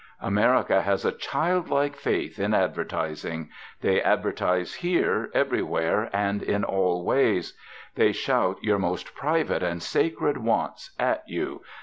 America has a childlike faith in advertising. They advertise here, everywhere, and in all ways. They shout your most private and sacred wants at you.